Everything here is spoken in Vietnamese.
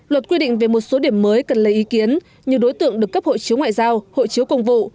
luật quy định về một số điểm mới cần lấy ý kiến như đối tượng được cấp hộ chiếu ngoại giao hội chiếu công vụ